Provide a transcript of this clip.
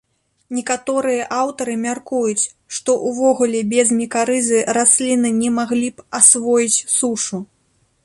Некаторыя аўтары мяркуюць, што ўвогуле без мікарызы расліны не маглі б асвоіць сушу.